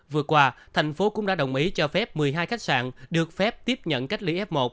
vừa qua thành phố cũng đã đồng ý cho phép một mươi hai khách sạn được phép tiếp nhận cách ly f một